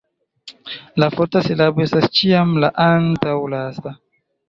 La forta silabo estas ĉiam la antaŭlasta.